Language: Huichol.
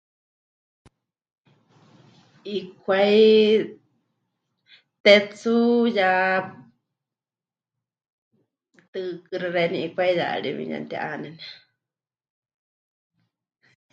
'Ikwai, tetsu ya tɨɨkɨ́xi xeeníu 'ikwáiyari, mɨɨkɨ ya mɨti'ánene.